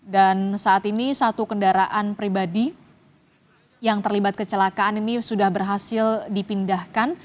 dan saat ini satu kendaraan pribadi yang terlibat kecelakaan ini sudah berhasil dipindahkan